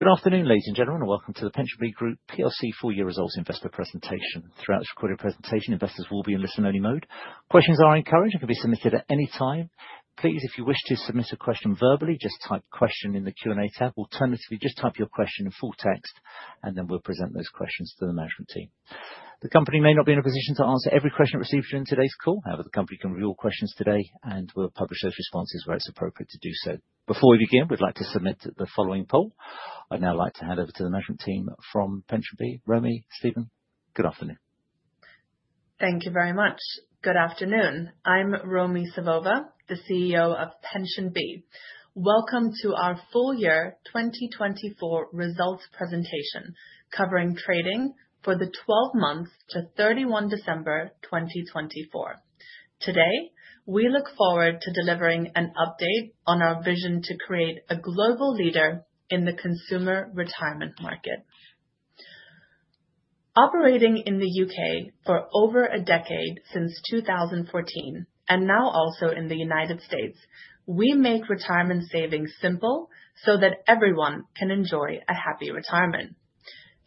Good afternoon, ladies and gentlemen, and welcome to the PensionBee Group Plc full-year results investor presentation. Throughout this recorded presentation, investors will be in listen-only mode. Questions are encouraged and can be submitted at any time. Please, if you wish to submit a question verbally, just type "question" in the Q&A tab. Alternatively, just type your question in full text, and then we'll present those questions to the management team. The company may not be in a position to answer every question received during today's call. However, the company can review all questions today, and we'll publish those responses where it's appropriate to do so. Before we begin, we'd like to submit the following poll. I'd now like to hand over to the management team from PensionBee. Romi, Stephen, good afternoon. Thank you very much. Good afternoon. I'm Romi Savova, the CEO of PensionBee. Welcome to our full-year 2024 results presentation covering trading for the 12 months to 31 December 2024. Today, we look forward to delivering an update on our vision to create a global leader in the consumer retirement market. Operating in the U.K. for over a decade since 2014, and now also in the United States, we make retirement savings simple so that everyone can enjoy a happy retirement.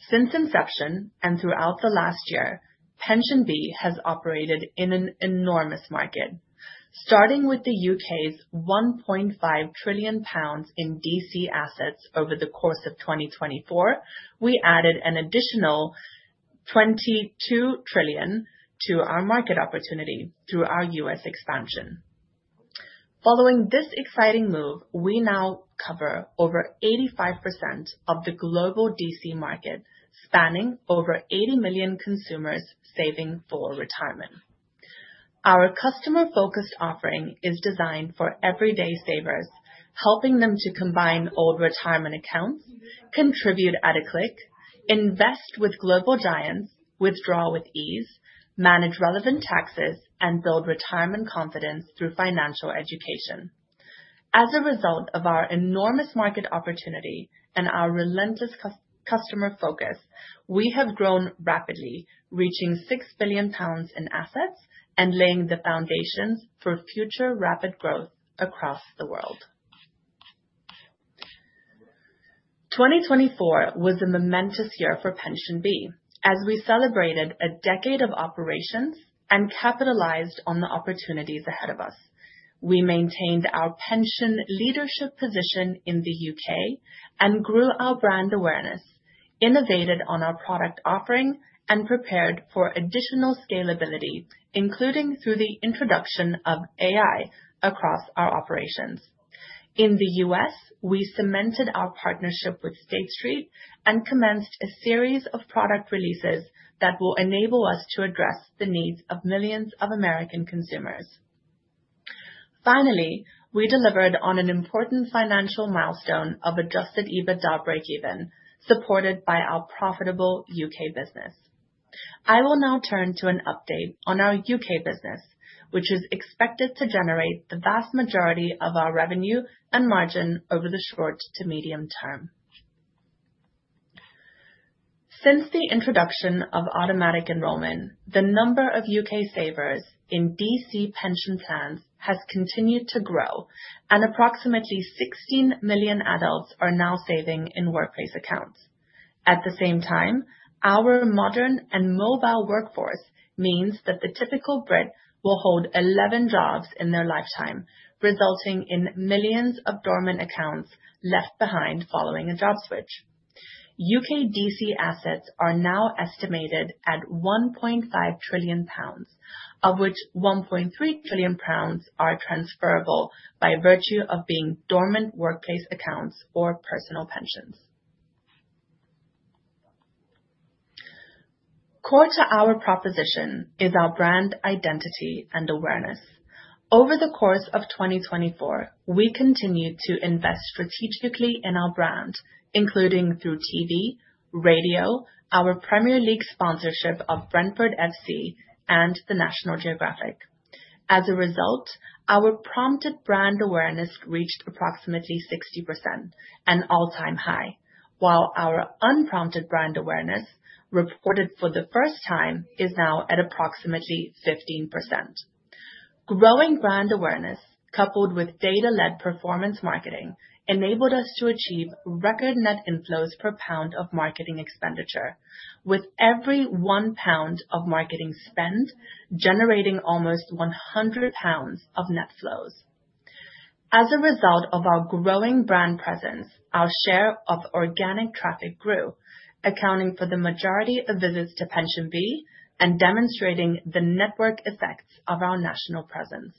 Since inception and throughout the last year, PensionBee has operated in an enormous market. Starting with the U.K.'s 1.5 trillion pounds in DC assets over the course of 2024, we added an additional $22 trillion to our market opportunity through our U.S. expansion. Following this exciting move, we now cover over 85% of the global DC market, spanning over 80 million consumers saving for retirement. Our customer-focused offering is designed for everyday savers, helping them to combine old retirement accounts, contribute at a click, invest with global giants, withdraw with ease, manage relevant taxes, and build retirement confidence through financial education. As a result of our enormous market opportunity and our relentless customer focus, we have grown rapidly, reaching 6 billion pounds in assets and laying the foundations for future rapid growth across the world. 2024 was a momentous year for PensionBee, as we celebrated a decade of operations and capitalized on the opportunities ahead of us. We maintained our pension leadership position in the U.K. and grew our brand awareness, innovated on our product offering, and prepared for additional scalability, including through the introduction of AI across our operations. In the U.S., we cemented our partnership with State Street and commenced a series of product releases that will enable us to address the needs of millions of American consumers. Finally, we delivered on an important financial milestone of adjusted EBITDA breakeven, supported by our profitable U.K. business. I will now turn to an update on our U.K. business, which is expected to generate the vast majority of our revenue and margin over the short to medium-term. Since the introduction of automatic enrollment, the number of U.K. savers in DC pension plans has continued to grow, and approximately 16 million adults are now saving in workplace accounts. At the same time, our modern and mobile workforce means that the typical Brit will hold 11 jobs in their lifetime, resulting in millions of dormant accounts left behind following a job switch. U.K. DC assets are now estimated at 1.5 trillion pounds, of which 1.3 trillion pounds are transferable by virtue of being dormant workplace accounts or personal pensions. Core to our proposition is our brand identity and awareness. Over the course of 2024, we continued to invest strategically in our brand, including through TV, radio, our Premier League sponsorship of Brentford FC, and National Geographic. As a result, our prompted brand awareness reached approximately 60%, an all-time high, while our unprompted brand awareness, reported for the first time, is now at approximately 15%. Growing brand awareness, coupled with data-led performance marketing, enabled us to achieve record net inflows per pound of marketing expenditure, with every 1 pound of marketing spend generating almost 100 pounds of net flows. As a result of our growing brand presence, our share of organic traffic grew, accounting for the majority of visits to PensionBee and demonstrating the network effects of our national presence.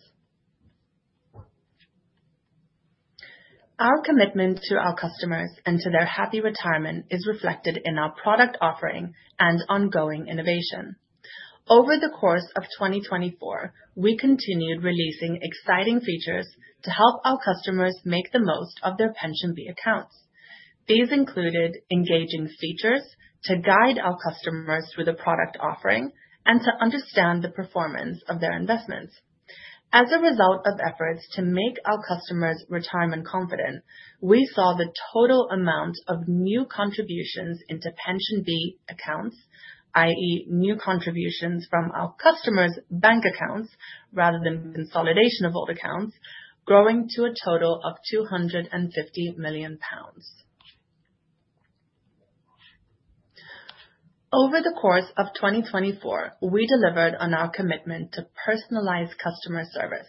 Our commitment to our customers and to their happy retirement is reflected in our product offering and ongoing innovation. Over the course of 2024, we continued releasing exciting features to help our customers make the most of their PensionBee accounts. These included engaging features to guide our customers through the product offering and to understand the performance of their investments. As a result of efforts to make our customers retirement confident, we saw the total amount of new contributions into PensionBee accounts, i.e., new contributions from our customers' bank accounts rather than consolidation of old accounts, growing to a total of 250 million pounds. Over the course of 2024, we delivered on our commitment to personalized customer service,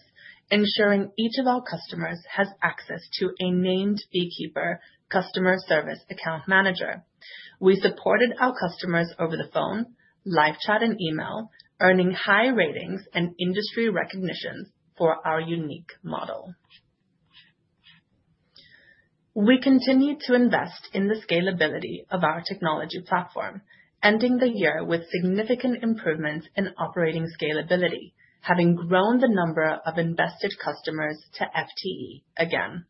ensuring each of our customers has access to a named BeeKeeper customer service account manager. We supported our customers over the phone, live chat, and email, earning high ratings and industry recognitions for our unique model. We continued to invest in the scalability of our technology platform, ending the year with significant improvements in operating scalability, having grown the number of invested customers to FTE again.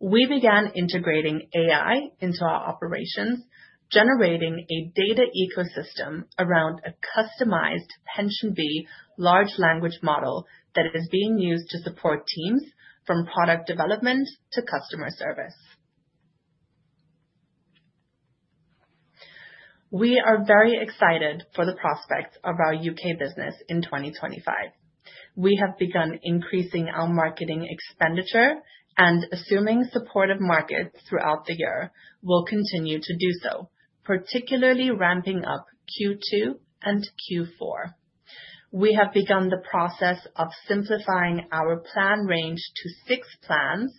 We began integrating AI into our operations, generating a data ecosystem around a customized PensionBee large language model that is being used to support teams from product development to customer service. We are very excited for the prospects of our U.K. business in 2025. We have begun increasing our marketing expenditure and assuming supportive markets throughout the year. We'll continue to do so, particularly ramping up Q2 and Q4. We have begun the process of simplifying our plan range to six plans,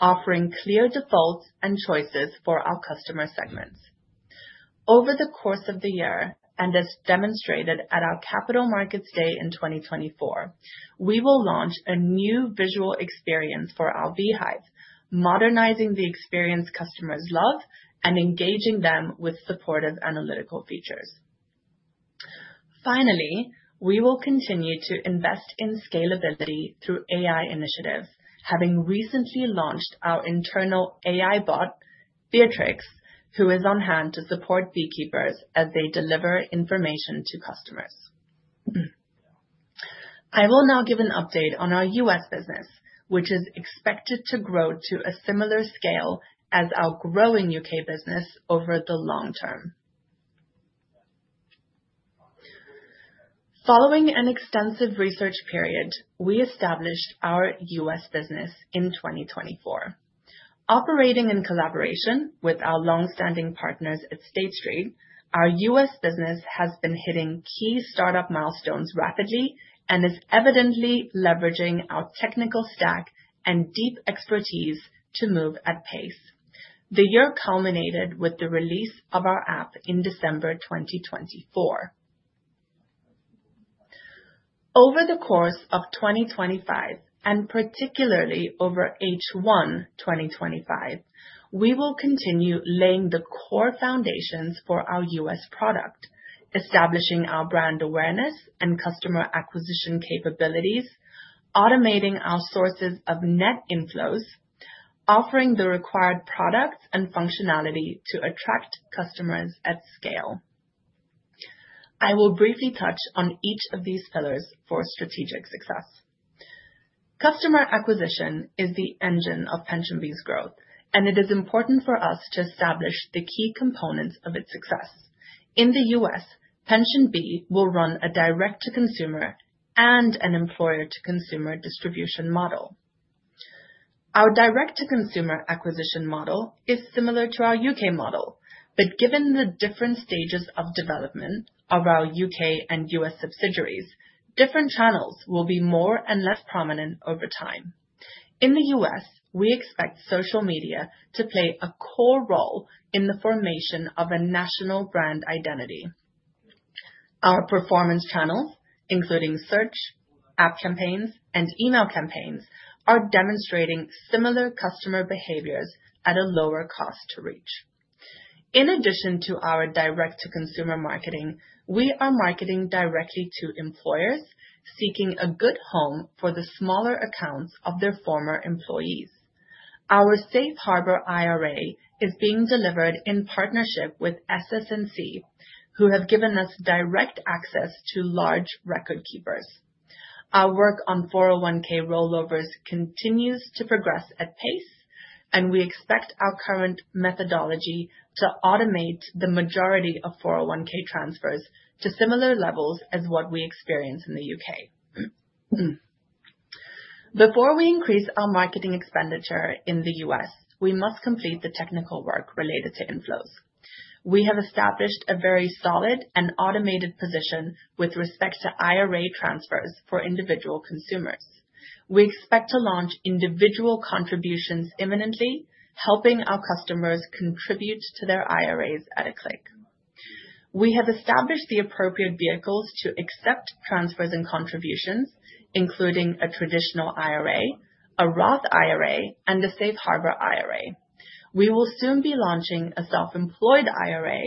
offering clear defaults and choices for our customer segments. Over the course of the year, and as demonstrated at our Capital Markets Day in 2024, we will launch a new visual experience for our Beehive, modernizing the experience customers love and engaging them with supportive analytical features. Finally, we will continue to invest in scalability through AI initiatives, having recently launched our internal AI bot, Beatrix, who is on hand to support BeeKeepers as they deliver information to customers. I will now give an update on our U.S. business, which is expected to grow to a similar scale as our growing U.K. business over the long-term. Following an extensive research period, we established our U.S. business in 2024. Operating in collaboration with our longstanding partners at State Street, our U.S. business has been hitting key startup milestones rapidly and is evidently leveraging our technical stack and deep expertise to move at pace. The year culminated with the release of our app in December 2024. Over the course of 2025, and particularly over H1 2025, we will continue laying the core foundations for our U.S. product, establishing our brand awareness and customer acquisition capabilities, automating our sources of net inflows, offering the required products and functionality to attract customers at scale. I will briefly touch on each of these pillars for strategic success. Customer acquisition is the engine of PensionBee's growth, and it is important for us to establish the key components of its success. In the U.S., PensionBee will run a direct-to-consumer and an employer-to-consumer distribution model. Our direct-to-consumer acquisition model is similar to our U.K. model, but given the different stages of development of our U.K. and U.S. subsidiaries, different channels will be more and less prominent over time. In the U.S., we expect social media to play a core role in the formation of a national brand identity. Our performance channels, including search, app campaigns, and email campaigns, are demonstrating similar customer behaviors at a lower cost to reach. In addition to our direct-to-consumer marketing, we are marketing directly to employers seeking a good home for the smaller accounts of their former employees. Our Safe Harbor IRA is being delivered in partnership with SS&C, who have given us direct access to large record keepers. Our work on 401(k) rollovers continues to progress at pace, and we expect our current methodology to automate the majority of 401(k) transfers to similar levels as what we experience in the U.K. Before we increase our marketing expenditure in the U.S., we must complete the technical work related to inflows. We have established a very solid and automated position with respect to IRA transfers for individual consumers. We expect to launch individual contributions imminently, helping our customers contribute to their IRAs at a click. We have established the appropriate vehicles to accept transfers and contributions, including a Traditional IRA, a Roth IRA, and a Safe Harbor IRA. We will soon be launching a Self-employed IRA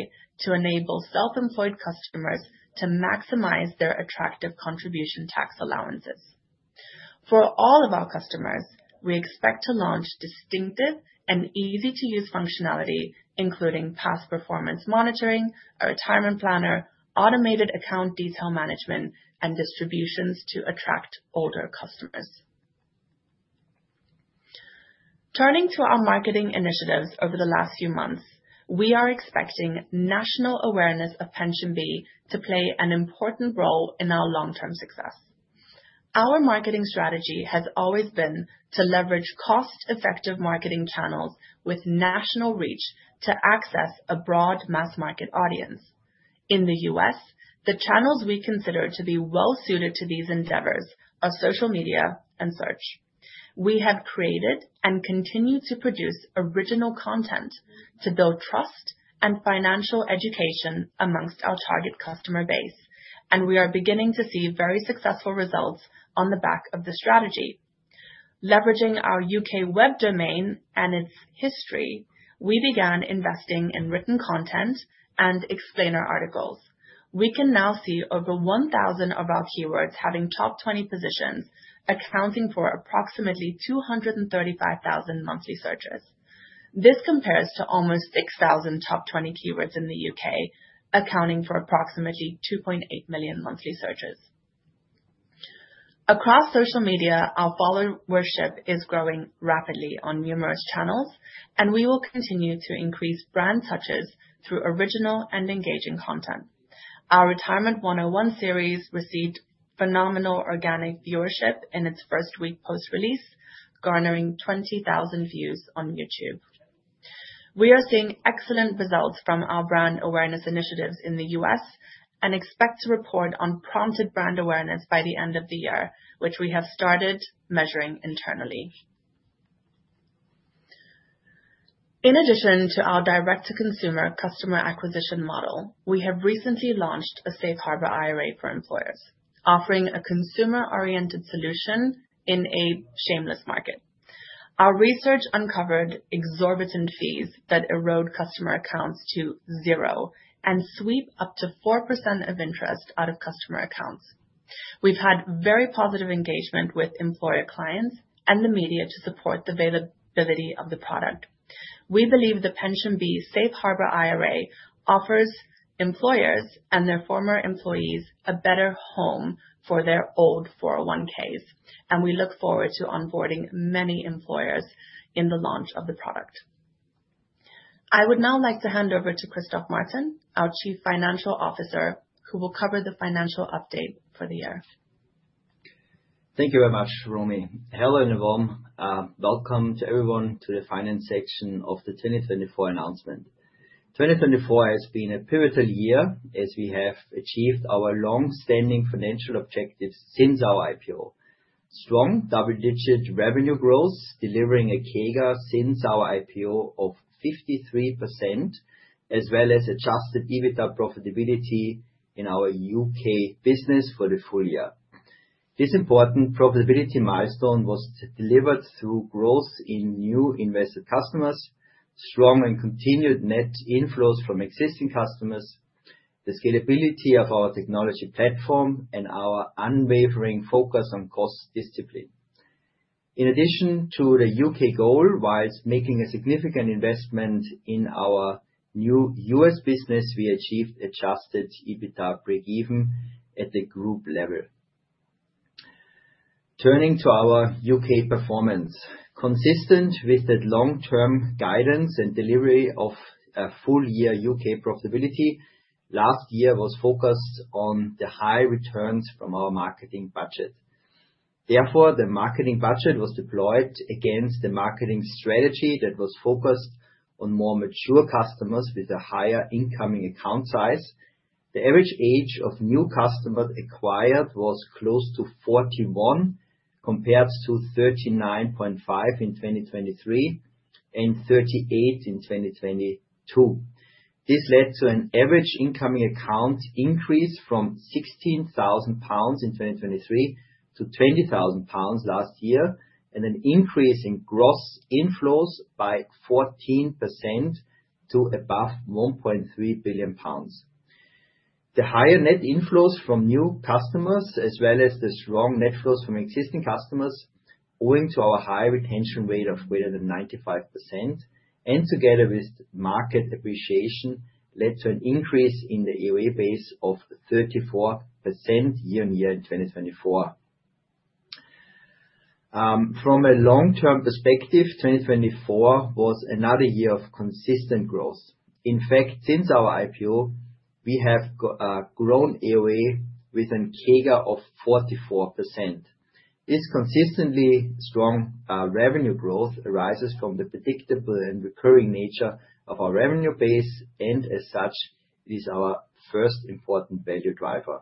to enable self-employed customers to maximize their attractive contribution tax allowances. For all of our customers, we expect to launch distinctive and easy-to-use functionality, including past performance monitoring, a retirement planner, automated account detail management, and distributions to attract older customers. Turning to our marketing initiatives over the last few months, we are expecting national awareness of PensionBee to play an important role in our long-term success. Our marketing strategy has always been to leverage cost-effective marketing channels with national reach to access a broad mass market audience. In the U.S., the channels we consider to be well-suited to these endeavors are social media and search. We have created and continue to produce original content to build trust and financial education amongst our target customer base, and we are beginning to see very successful results on the back of the strategy. Leveraging our U.K. web domain and its history, we began investing in written content and explainer articles. We can now see over 1,000 of our keywords having top 20 positions, accounting for approximately 235,000 monthly searches. This compares to almost 6,000 top 20 keywords in the U.K., accounting for approximately 2.8 million monthly searches. Across social media, our followership is growing rapidly on numerous channels, and we will continue to increase brand touches through original and engaging content. Our Retirement 101 series received phenomenal organic viewership in its first week post-release, garnering 20,000 views on YouTube. We are seeing excellent results from our brand awareness initiatives in the U.S. and expect to report on prompted brand awareness by the end of the year, which we have started measuring internally. In addition to our direct-to-consumer customer acquisition model, we have recently launched a Safe Harbor IRA for employers, offering a consumer-oriented solution in a seamless market. Our research uncovered exorbitant fees that erode customer accounts to zero and sweep up to 4% of interest out of customer accounts. We've had very positive engagement with employer clients and the media to support the availability of the product. We believe the PensionBee Safe Harbor IRA offers employers and their former employees a better home for their old 401(k)s, and we look forward to onboarding many employers in the launch of the product. I would now like to hand over to Christoph Martin, our Chief Financial Officer, who will cover the financial update for the year. Thank you very much, Romi. Hello, and a warm welcome to everyone to the finance section of the 2024 announcement. 2024 has been a pivotal year as we have achieved our long-standing financial objectives since our IPO. Strong double-digit revenue growth, delivering a CAGR since our IPO of 53%, as well as adjusted EBITDA profitability in our U.K. business for the full year. This important profitability milestone was delivered through growth in new invested customers, strong and continued net inflows from existing customers, the scalability of our technology platform, and our unwavering focus on cost discipline. In addition to the U.K. goal, while making a significant investment in our new U.S. business, we achieved adjusted EBITDA break-even at the group level. Turning to our U.K. performance, consistent with that long-term guidance and delivery of a full-year U.K. profitability, last year was focused on the high returns from our marketing budget. Therefore, the marketing budget was deployed against the marketing strategy that was focused on more mature customers with a higher incoming account size. The average age of new customers acquired was close to 41, compared to 39.5 in 2023 and 38 in 2022. This led to an average incoming account increase from 16,000 pounds in 2023 to 20,000 pounds last year, and an increase in gross inflows by 14% to above 1.3 billion pounds. The higher net inflows from new customers, as well as the strong net flows from existing customers, owing to our high retention rate of greater than 95%, and together with market appreciation, led to an increase in the AUA base of 34% year on year in 2024. From a long-term perspective, 2024 was another year of consistent growth. In fact, since our IPO, we have grown AUA with a CAGR of 44%. This consistently strong revenue growth arises from the predictable and recurring nature of our revenue base, and as such, it is our first important value driver.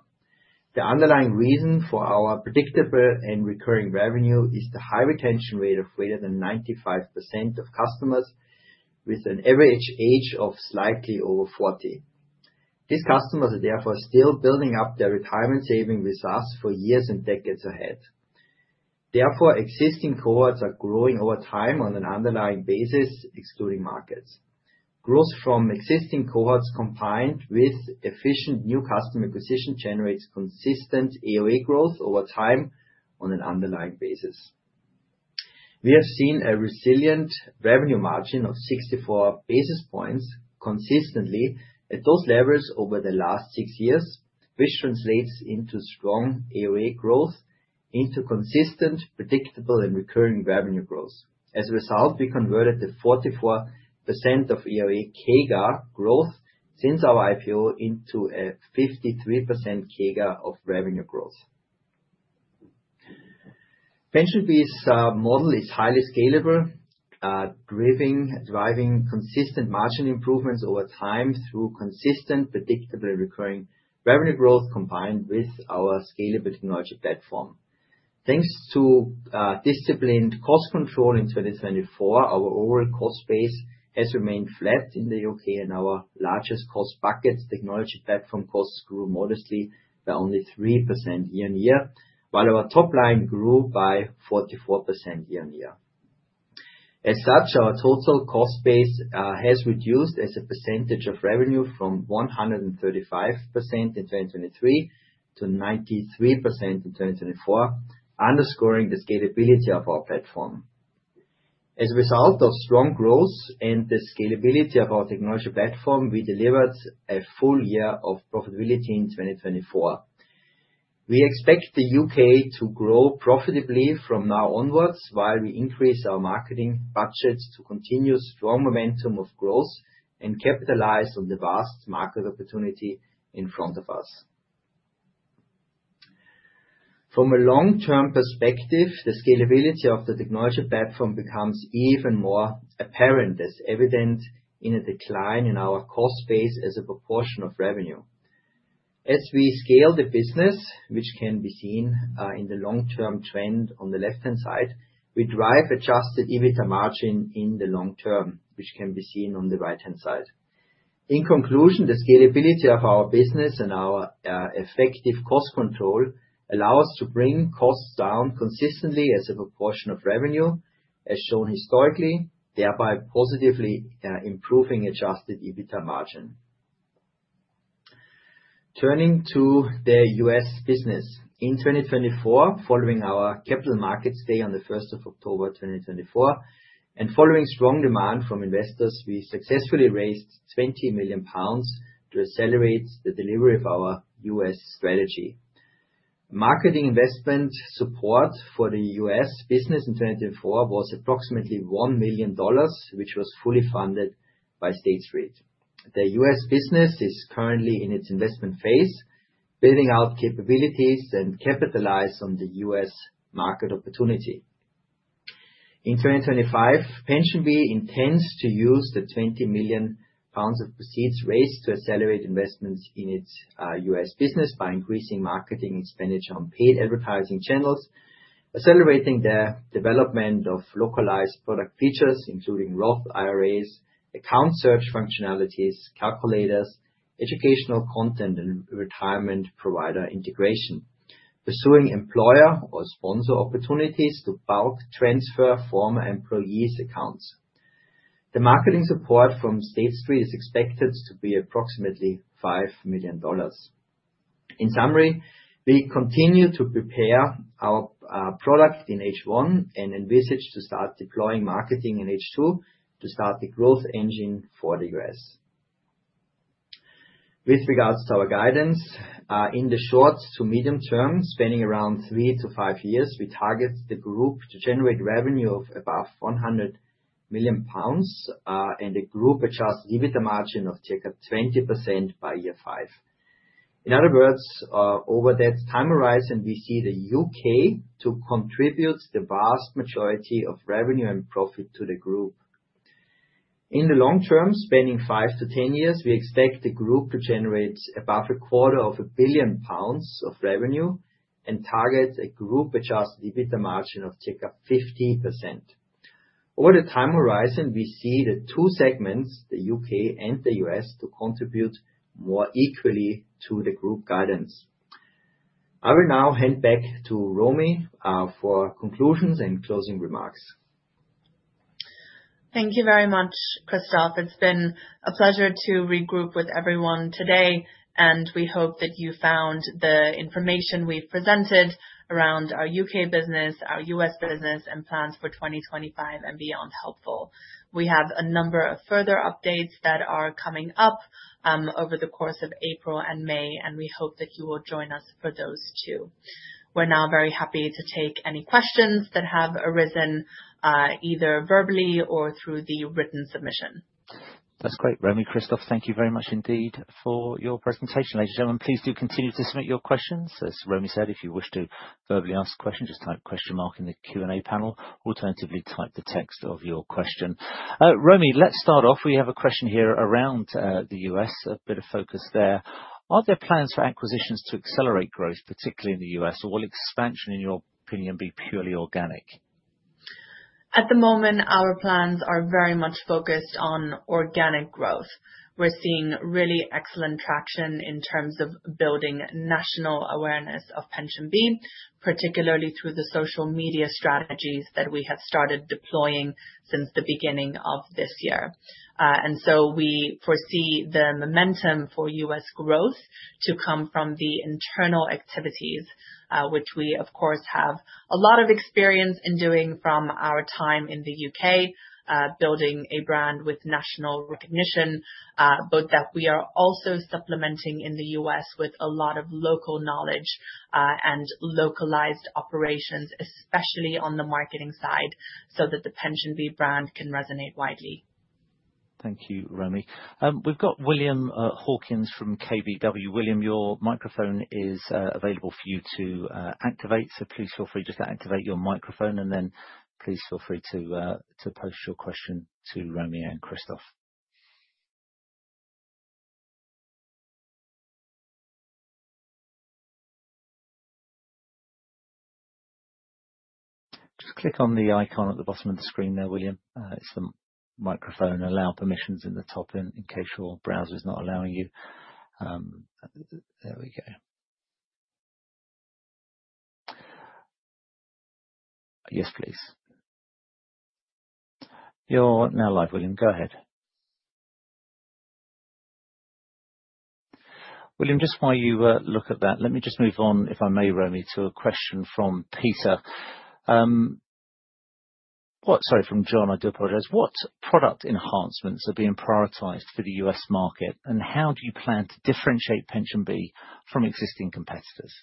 The underlying reason for our predictable and recurring revenue is the high retention rate of greater than 95% of customers, with an average age of slightly over 40. These customers are therefore still building up their retirement savings with us for years and decades ahead. Therefore, existing cohorts are growing over time on an underlying basis, excluding markets. Growth from existing cohorts combined with efficient new customer acquisition generates consistent AUA growth over time on an underlying basis. We have seen a resilient revenue margin of 64 basis points consistently at those levels over the last six years, which translates into strong AUA growth, into consistent predictable and recurring revenue growth. As a result, we converted the 44% of AUA CAGR growth since our IPO into a 53% CAGR of revenue growth. PensionBee's model is highly scalable, driving consistent margin improvements over time through consistent, predictable, and recurring revenue growth combined with our scalable technology platform. Thanks to disciplined cost control in 2024, our overall cost base has remained flat in the U.K., and our largest cost buckets, technology platform costs, grew modestly by only 3% year on year, while our top line grew by 44% year on year. As such, our total cost base has reduced as a percentage of revenue from 135% in 2023 to 93% in 2024, underscoring the scalability of our platform. As a result of strong growth and the scalability of our technology platform, we delivered a full year of profitability in 2024. We expect the U.K. to grow profitably from now onwards while we increase our marketing budgets to continue strong momentum of growth and capitalize on the vast market opportunity in front of us. From a long-term perspective, the scalability of the technology platform becomes even more apparent, as evident in a decline in our cost base as a proportion of revenue. As we scale the business, which can be seen in the long-term trend on the left-hand side, we drive adjusted EBITDA margin in the long-term, which can be seen on the right-hand side. In conclusion, the scalability of our business and our effective cost control allow us to bring costs down consistently as a proportion of revenue, as shown historically, thereby positively improving adjusted EBITDA margin. Turning to the U.S. business, in 2024, following our Capital Markets Day on the 1st of October 2024, and following strong demand from investors, we successfully raised 20 million pounds to accelerate the delivery of our U.S. strategy. Marketing investment support for the U.S. business in 2024 was approximately $1 million, which was fully funded by State Street. The U.S. business is currently in its investment phase, building out capabilities and capitalizing on the U.S. market opportunity. In 2025, PensionBee intends to use the 20 million pounds of proceeds raised to accelerate investments in its U.S. business by increasing marketing expenditure on paid advertising channels, accelerating the development of localized product features, including Roth IRAs, account search functionalities, calculators, educational content, and retirement provider integration, pursuing employer or sponsor opportunities to bulk transfer former employees' accounts. The marketing support from State Street is expected to be approximately $5 million. In summary, we continue to prepare our product in H1 and envisage to start deploying marketing in H2 to start the growth engine for the US. With regards to our guidance, in the short to medium-term, spanning around three to five years, we target the group to generate revenue of above 100 million pounds and a group-adjusted EBITDA margin of circa 20% by year five. In other words, over that time horizon, we see the U.K. to contribute the vast majority of revenue and profit to the group. In the long-term, spanning five to ten years, we expect the group to generate above a quarter of a billion pounds of revenue and target a group-adjusted EBITDA margin of circa 50%. Over the time horizon, we see the two segments, the U.K. and the U.S., to contribute more equally to the group guidance. I will now hand back to Romi for conclusions and closing remarks. Thank you very much, Christoph. It's been a pleasure to regroup with everyone today, and we hope that you found the information we've presented around our U.K. business, our U.S. business, and plans for 2025 and beyond helpful. We have a number of further updates that are coming up over the course of April and May, and we hope that you will join us for those too. We're now very happy to take any questions that have arisen either verbally or through the written submission. That's great. Romi, Christoph, thank you very much indeed for your presentation, ladies and gentlemen. Please do continue to submit your questions. As Romi said, if you wish to verbally ask a question, just type a question mark in the Q&A panel. Alternatively, type the text of your question. Romi, let's start off. We have a question here around the U.S., a bit of focus there. Are there plans for acquisitions to accelerate growth, particularly in the U.S., or will expansion, in your opinion, be purely organic? At the moment, our plans are very much focused on organic growth. We are seeing really excellent traction in terms of building national awareness of PensionBee, particularly through the social media strategies that we have started deploying since the beginning of this year. We foresee the momentum for U.S. growth to come from the internal activities, which we, of course, have a lot of experience in doing from our time in the U.K., building a brand with national recognition, but that we are also supplementing in the U.S. with a lot of local knowledge and localized operations, especially on the marketing side, so that the PensionBee brand can resonate widely. Thank you, Romi. We have William Hawkins from KBW. William, your microphone is available for you to activate, so please feel free just to activate your microphone, and then please feel free to post your question to Romi and Christoph. Just click on the icon at the bottom of the screen there, William. It is the microphone. Allow permissions in the top in case your browser is not allowing you. There we go. Yes, please. You are now live, William. Go ahead. William, just while you look at that, let me just move on, if I may, Romi, to a question from Peter. Sorry, from John. I do apologize. What product enhancements are being prioritized for the U.S. market, and how do you plan to differentiate PensionBee from existing competitors?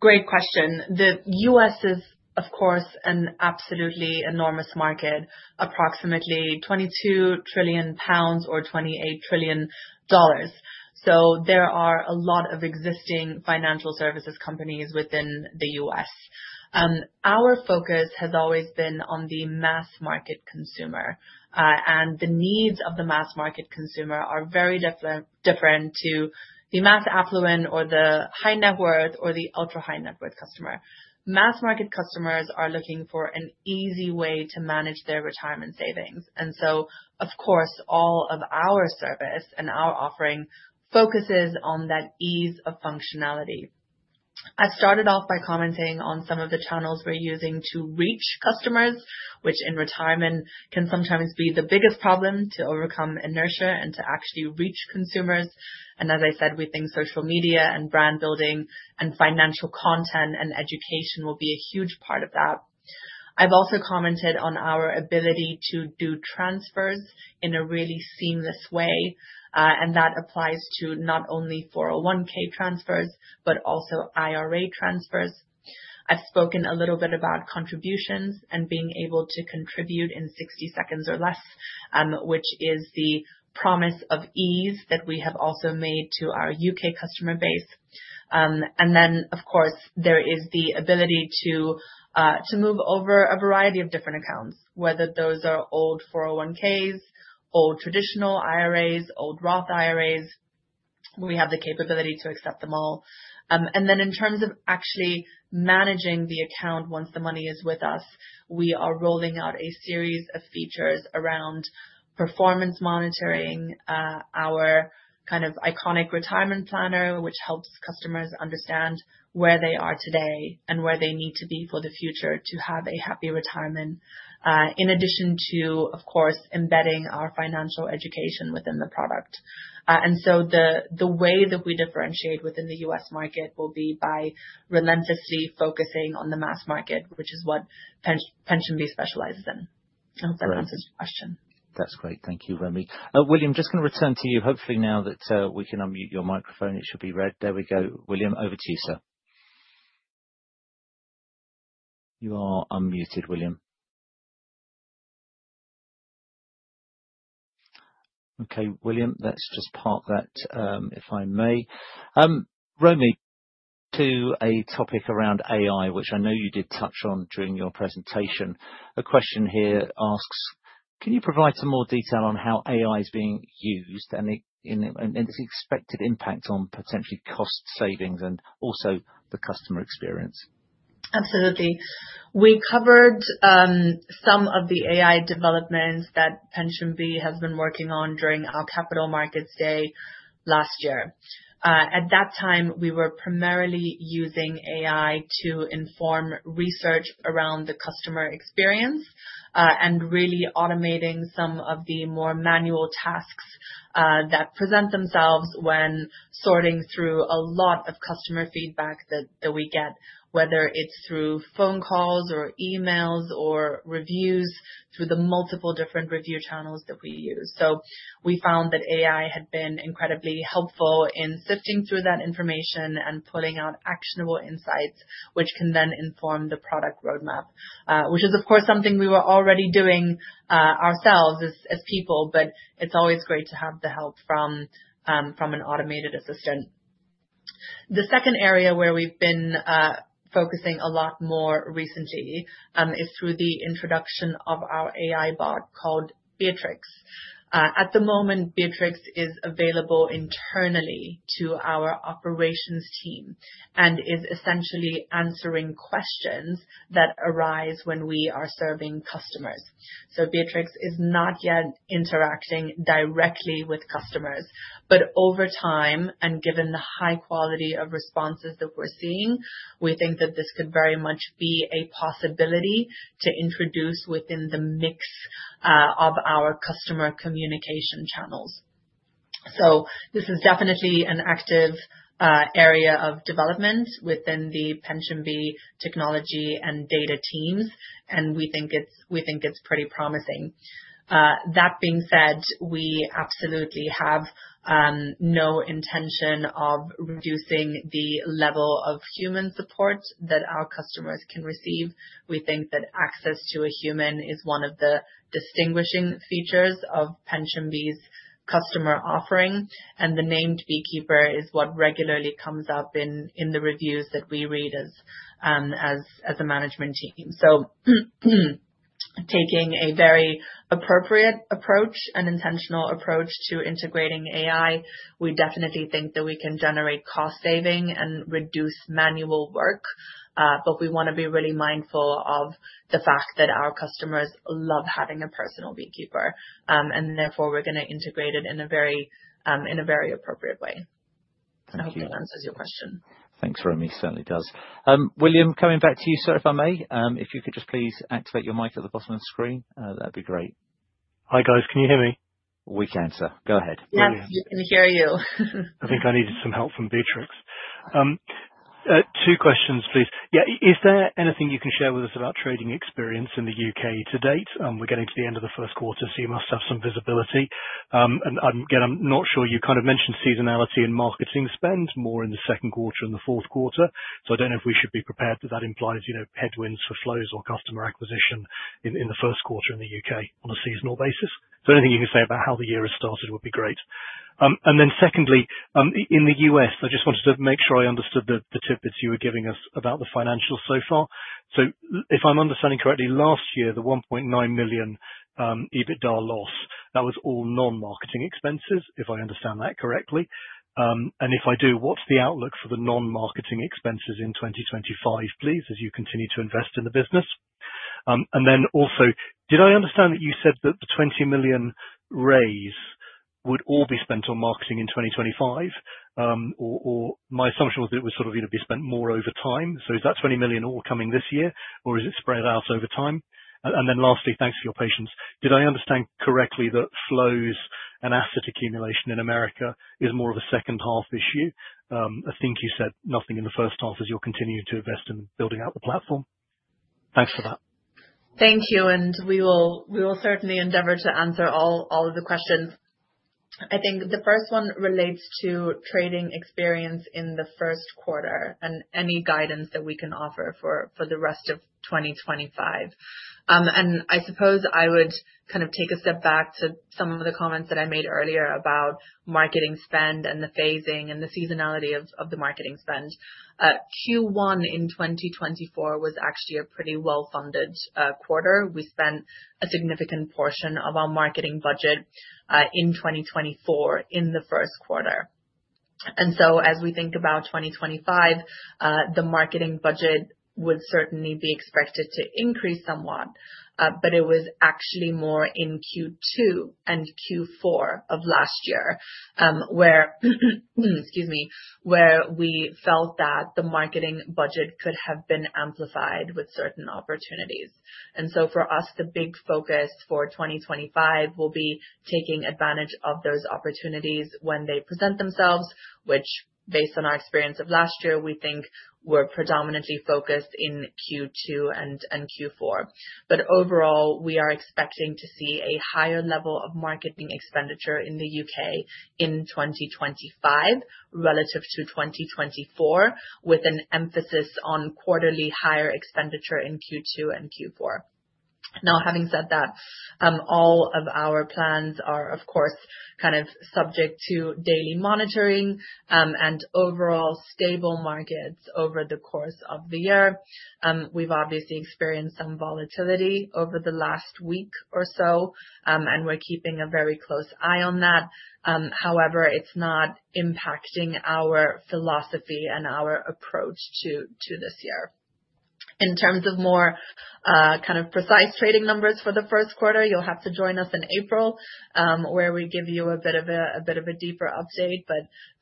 Great question. The U.S. is, of course, an absolutely enormous market, approximately 22 trillion pounds or $28 trillion. There are a lot of existing financial services companies within the US. Our focus has always been on the mass market consumer, and the needs of the mass market consumer are very different to the mass affluent or the high net worth or the ultra high net worth customer. Mass market customers are looking for an easy way to manage their retirement savings. Of course, all of our service and our offering focuses on that ease of functionality. I started off by commenting on some of the channels we're using to reach customers, which in retirement can sometimes be the biggest problem to overcome inertia and to actually reach consumers. As I said, we think social media and brand building and financial content and education will be a huge part of that. I've also commented on our ability to do transfers in a really seamless way, and that applies to not only 401(k) transfers, but also IRA transfers. I've spoken a little bit about contributions and being able to contribute in 60 seconds or less, which is the promise of ease that we have also made to our U.K. customer base. Of course, there is the ability to move over a variety of different accounts, whether those are old 401(k)s, old traditional IRAs, old Roth IRAs. We have the capability to accept them all. In terms of actually managing the account once the money is with us, we are rolling out a series of features around performance monitoring, our kind of iconic retirement planner, which helps customers understand where they are today and where they need to be for the future to have a happy retirement, in addition to, of course, embedding our financial education within the product. The way that we differentiate within the U.S. market will be by relentlessly focusing on the mass market, which is what PensionBee specializes in. I hope that answers your question. That's great. Thank you, Romi. William, I'm just going to return to you. Hopefully now that we can unmute your microphone, it should be red. There we go. William, over to you, sir. You are unmuted, William. Okay, William, let's just park that, if I may. Romi, to a topic around AI, which I know you did touch on during your presentation. A question here asks, can you provide some more detail on how AI is being used and its expected impact on potentially cost savings and also the customer experience? Absolutely. We covered some of the AI developments that PensionBee has been working on during our Capital Markets Day last year. At that time, we were primarily using AI to inform research around the customer experience and really automating some of the more manual tasks that present themselves when sorting through a lot of customer feedback that we get, whether it's through phone calls or emails or reviews through the multiple different review channels that we use. We found that AI had been incredibly helpful in sifting through that information and pulling out actionable insights, which can then inform the product roadmap, which is, of course, something we were already doing ourselves as people, but it's always great to have the help from an automated assistant. The second area where we've been focusing a lot more recently is through the introduction of our AI bot called Beatrix. At the moment, Beatrix is available internally to our operations team and is essentially answering questions that arise when we are serving customers. Beatrix is not yet interacting directly with customers, but over time and given the high quality of responses that we're seeing, we think that this could very much be a possibility to introduce within the mix of our customer communication channels. This is definitely an active area of development within the PensionBee technology and data teams, and we think it's pretty promising. That being said, we absolutely have no intention of reducing the level of human support that our customers can receive. We think that access to a human is one of the distinguishing features of PensionBee's customer offering, and the named BeeKeeper is what regularly comes up in the reviews that we read as a management team. Taking a very appropriate approach, an intentional approach to integrating AI, we definitely think that we can generate cost saving and reduce manual work, but we want to be really mindful of the fact that our customers love having a personal BeeKeeper, and therefore we're going to integrate it in a very appropriate way. I hope that answers your question. Thanks, Romi. Certainly does. William, coming back to you, sir, if I may, if you could just please activate your mic at the bottom of the screen, that'd be great. Hi, guys. Can you hear me? We can, sir. Go ahead. Yes, we can hear you. I think I needed some help from Beatrix. Two questions, please. Yeah, is there anything you can share with us about trading experience in the U.K. to date? We're getting to the end of the first quarter, so you must have some visibility. I'm not sure. You kind of mentioned seasonality and marketing spend more in the second quarter and the fourth quarter. I don't know if we should be prepared that that implies headwinds for flows or customer acquisition in the first quarter in the U.K. on a seasonal basis. Anything you can say about how the year has started would be great. Secondly, in the U.S., I just wanted to make sure I understood the tidbits you were giving us about the financials so far. If I'm understanding correctly, last year, the 1.9 million EBITDA loss, that was all non-marketing expenses, if I understand that correctly. If I do, what's the outlook for the non-marketing expenses in 2025, please, as you continue to invest in the business? Did I understand that you said that the 20 million raise would all be spent on marketing in 2025? My assumption was that it would sort of be spent more over time. Is that 20 million all coming this year, or is it spread out over time? Lastly, thanks for your patience. Did I understand correctly that flows and asset accumulation in America is more of a second half issue? I think you said nothing in the first half as you're continuing to invest in building out the platform. Thanks for that. Thank you. We will certainly endeavor to answer all of the questions. I think the first one relates to trading experience in the first quarter and any guidance that we can offer for the rest of 2025. I suppose I would kind of take a step back to some of the comments that I made earlier about marketing spend and the phasing and the seasonality of the marketing spend. Q1 in 2024 was actually a pretty well-funded quarter. We spent a significant portion of our marketing budget in 2024 in the first quarter. As we think about 2025, the marketing budget would certainly be expected to increase somewhat, but it was actually more in Q2 and Q4 of last year where, excuse me, where we felt that the marketing budget could have been amplified with certain opportunities. For us, the big focus for 2025 will be taking advantage of those opportunities when they present themselves, which, based on our experience of last year, we think were predominantly focused in Q2 and Q4. Overall, we are expecting to see a higher level of marketing expenditure in the U.K. in 2025 relative to 2024, with an emphasis on quarterly higher expenditure in Q2 and Q4. Now, having said that, all of our plans are, of course, kind of subject to daily monitoring and overall stable markets over the course of the year. We have obviously experienced some volatility over the last week or so, and we are keeping a very close eye on that. However, it is not impacting our philosophy and our approach to this year. In terms of more kind of precise trading numbers for the first quarter, you will have to join us in April, where we give you a bit of a deeper update.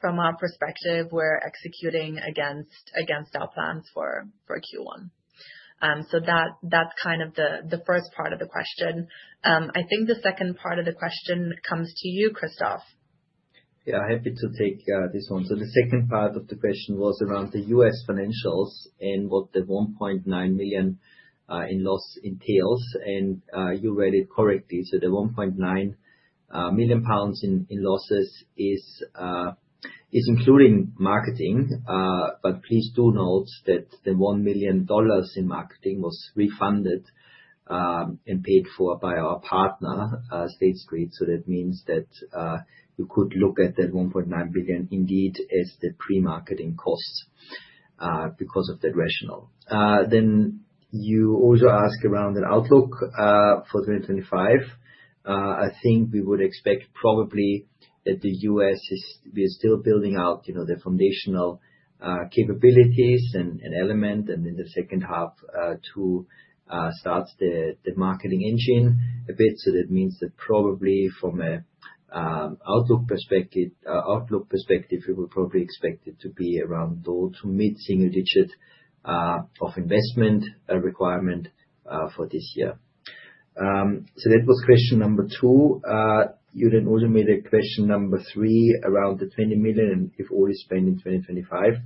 From our perspective, we are executing against our plans for Q1. That is kind of the first part of the question. I think the second part of the question comes to you, Christoph. Yeah, happy to take this one. The second part of the question was around the U.S. financials and what the 1.9 million in loss entails. You read it correctly. The 1.9 million pounds in losses is including marketing, but please do note that the $1 million in marketing was refunded and paid for by our partner, State Street. That means that you could look at that 1.9 million indeed as the pre-marketing costs because of that rationale. You also asked around the outlook for 2025. I think we would expect probably that the U.S. is still building out the foundational capabilities and element, and in the second half, to start the marketing engine a bit. That means that probably from an outlook perspective, we would probably expect it to be around low to mid single digit of investment requirement for this year. That was question number two. You then also made a question number three around the 20 million, if all is spent in 2025.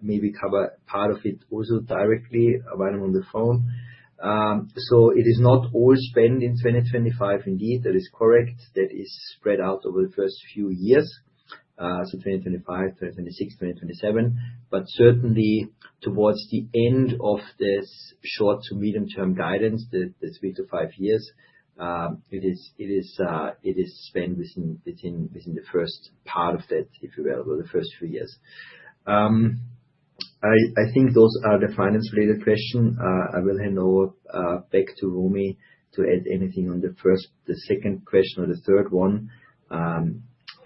Maybe cover part of it also directly while I'm on the phone. It is not all spent in 2025 indeed. That is correct. That is spread out over the first few years, so 2025, 2026, 2027. Certainly towards the end of this short to medium-term guidance, the three to five years, it is spent within the first part of that, if you will, or the first few years. I think those are the finance-related questions. I will hand over back to Romi to add anything on the second question or the third one.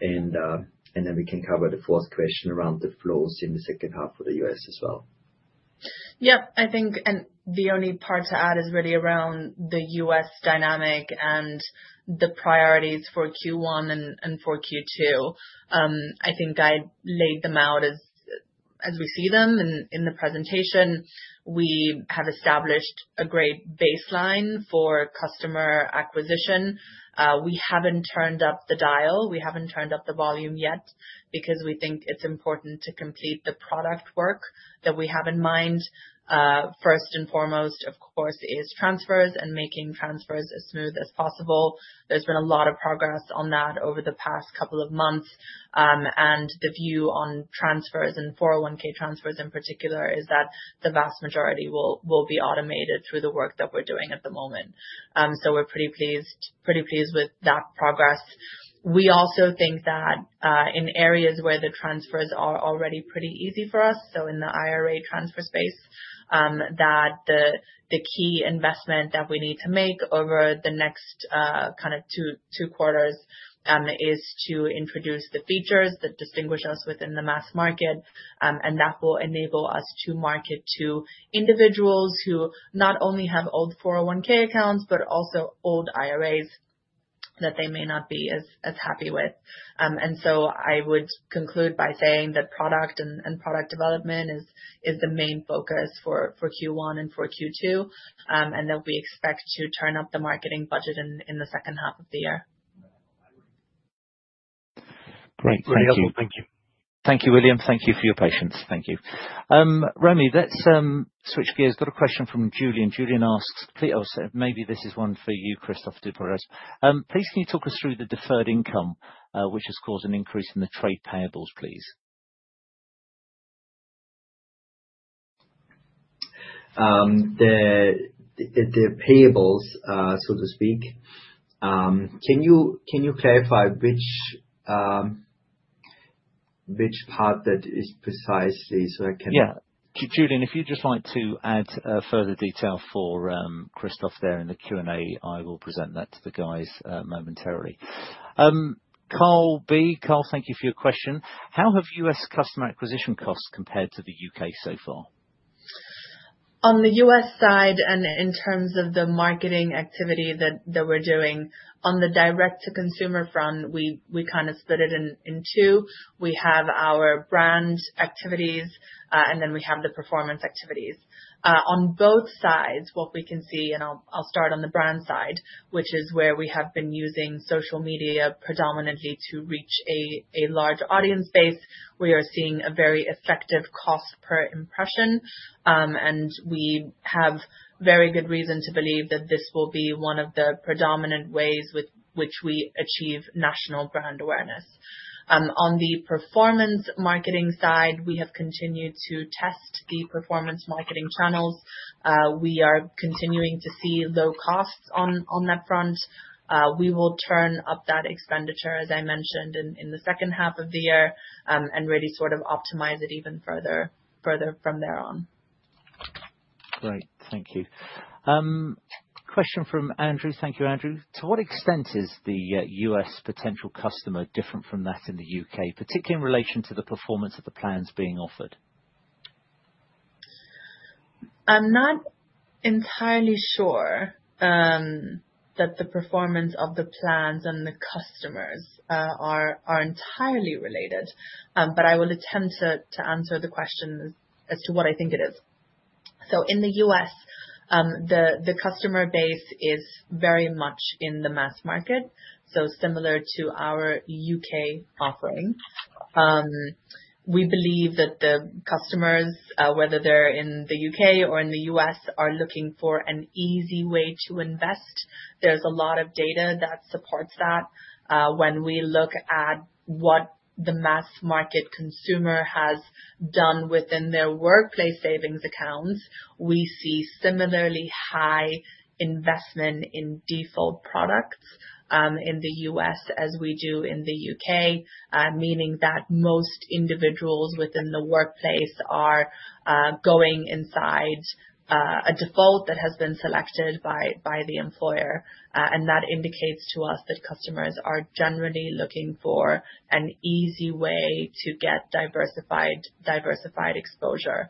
We can cover the fourth question around the flows in the second half for the U.S. as well. Yep, I think the only part to add is really around the U.S. dynamic and the priorities for Q1 and for Q2. I think I laid them out as we see them in the presentation. We have established a great baseline for customer acquisition. We have not turned up the dial. We have not turned up the volume yet because we think it is important to complete the product work that we have in mind. First and foremost, of course, is transfers and making transfers as smooth as possible. There has been a lot of progress on that over the past couple of months. The view on transfers and 401(k) transfers in particular is that the vast majority will be automated through the work that we are doing at the moment. We're pretty pleased with that progress. We also think that in areas where the transfers are already pretty easy for us, in the IRA transfer space, the key investment that we need to make over the next two quarters is to introduce the features that distinguish us within the mass market, and that will enable us to market to individuals who not only have old 401(k) accounts, but also old IRAs that they may not be as happy with. I would conclude by saying that product and product development is the main focus for Q1 and for Q2, and that we expect to turn up the marketing budget in the second half of the year. Great. Thank you. Thank you, William. Thank you for your patience. Thank you. Romi, let's switch gears. Got a question from Julian. Julian asks, maybe this is one for you, Christoph. Please, can you talk us through the deferred income, which has caused an increase in the trade payables, please? The payables, so to speak. Can you clarify which part that is precisely so I can? Yeah. Julian, if you'd just like to add further detail for Christoph there in the Q&A, I will present that to the guys momentarily. Carl B., Carl, thank you for your question. How have U.S. customer acquisition costs compared to the U.K. so far? On the U.S. side and in terms of the marketing activity that we're doing, on the direct-to-consumer front, we kind of split it in two. We have our brand activities, and then we have the performance activities. On both sides, what we can see, and I'll start on the brand side, which is where we have been using social media predominantly to reach a large audience base, we are seeing a very effective cost per impression. We have very good reason to believe that this will be one of the predominant ways with which we achieve national brand awareness. On the performance marketing side, we have continued to test the performance marketing channels. We are continuing to see low costs on that front. We will turn up that expenditure, as I mentioned, in the second half of the year and really sort of optimize it even further from there on. Great. Thank you. Question from Andrew. Thank you, Andrew. To what extent is the U.S. potential customer different from that in the U.K., particularly in relation to the performance of the plans being offered? I'm not entirely sure that the performance of the plans and the customers are entirely related, but I will attempt to answer the question as to what I think it is. In the U.S., the customer base is very much in the mass market, so similar to our U.K. offering. We believe that the customers, whether they're in the U.K. or in the U.S., are looking for an easy way to invest. There's a lot of data that supports that. When we look at what the mass market consumer has done within their workplace savings accounts, we see similarly high investment in default products in the U.S. as we do in the U.K., meaning that most individuals within the workplace are going inside a default that has been selected by the employer. That indicates to us that customers are generally looking for an easy way to get diversified exposure.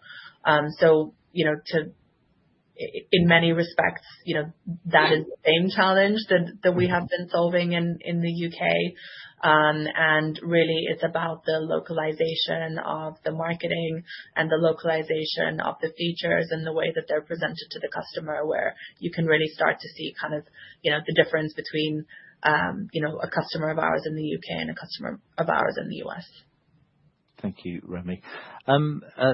In many respects, that is the same challenge that we have been solving in the U.K. It is about the localization of the marketing and the localization of the features and the way that they are presented to the customer, where you can really start to see kind of the difference between a customer of ours in the U.K. and a customer of ours in the U.S. Thank you, Romi.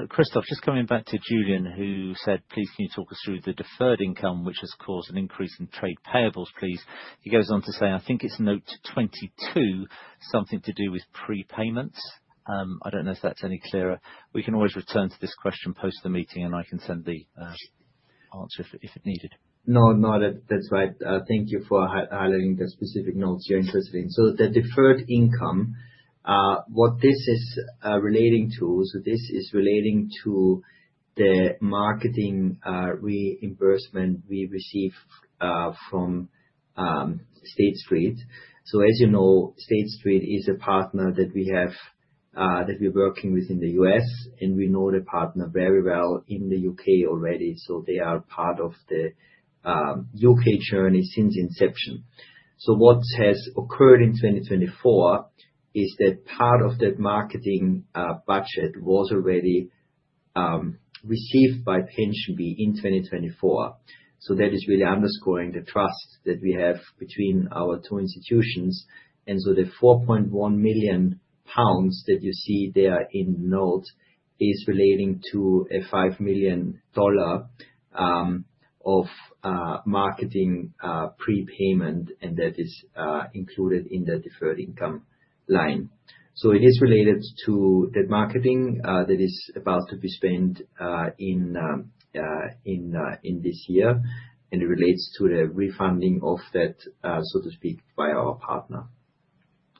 Christoph, just coming back to Julian, who said, "Please, can you talk us through the deferred income, which has caused an increase in trade payables, please?" He goes on to say, "I think it is note 22, something to do with prepayments." I do not know if that is any clearer. We can always return to this question post the meeting, and I can send the answer if needed. No, no, that's right. Thank you for highlighting the specific notes you're interested in. The deferred income, what this is relating to, this is relating to the marketing reimbursement we receive from State Street. As you know, State Street is a partner that we have that we're working with in the U.S., and we know the partner very well in the U.K. already. They are part of the U.K. journey since inception. What has occurred in 2024 is that part of that marketing budget was already received by PensionBee in 2024. That is really underscoring the trust that we have between our two institutions. The 4.1 million pounds that you see there in note is relating to a $5 million of marketing prepayment, and that is included in the deferred income line. It is related to that marketing that is about to be spent in this year, and it relates to the refunding of that, so to speak, by our partner.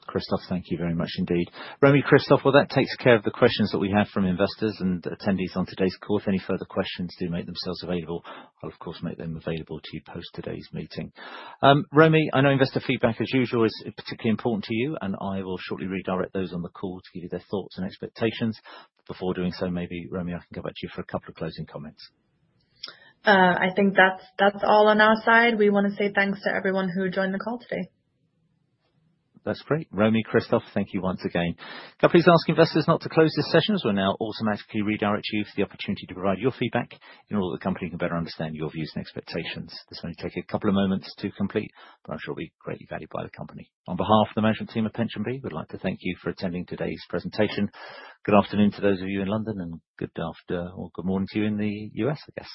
Christoph, thank you very much indeed. Romi, Christoph, that takes care of the questions that we have from investors and attendees on today's call. If any further questions do make themselves available, I'll, of course, make them available to you post today's meeting. Romi, I know investor feedback, as usual, is particularly important to you, and I will shortly redirect those on the call to give you their thoughts and expectations. Before doing so, maybe, Romi, I can go back to you for a couple of closing comments. I think that's all on our side. We want to say thanks to everyone who joined the call today. That's great. Romi, Christoph, thank you once again. Companies ask investors not to close this session as we're now automatically redirecting you for the opportunity to provide your feedback in order that the company can better understand your views and expectations. This may take a couple of moments to complete, but I'm sure it'll be greatly valued by the company. On behalf of the management team at PensionBee, we'd like to thank you for attending today's presentation. Good afternoon to those of you in London, and good afternoon or good morning to you in the U.S., I guess.